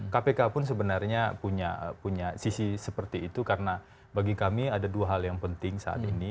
kpk pun sebenarnya punya sisi seperti itu karena bagi kami ada dua hal yang penting saat ini